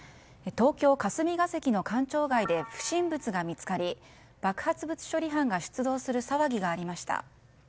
東京・霞が関の官庁街で不審物が見つかり爆発物処理班が出動する騒ぎがありました。